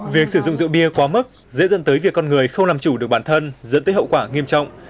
việc sử dụng rượu bia quá mức dễ dẫn tới việc con người không làm chủ được bản thân dẫn tới hậu quả nghiêm trọng